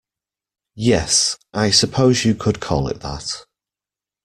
Yes, I suppose you could call it that.